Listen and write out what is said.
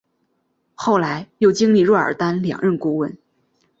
后来又历经若尔丹两任顾问。